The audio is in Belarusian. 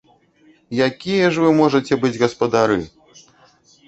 Якія ж вы можаце быць гаспадары?